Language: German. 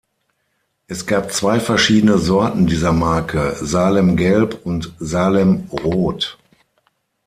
Es gab zwei verschiedene Sorten dieser Marke: "Salem gelb" und "Salem rot".